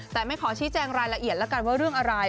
แต่ไม่ขอชี้แจงรายละเอียดแล้วกันว่าเรื่องอะไร